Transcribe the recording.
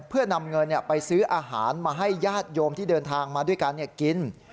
เพื่อนำเงินไปซื้ออาหารมาให้ญาติโยมที่เดินทางมาด้วยกันกิน